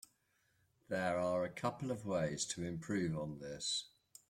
There are a couple ways to improve on this.